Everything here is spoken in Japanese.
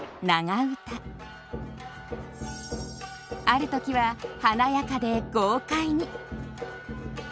ある時は華やかで豪快に。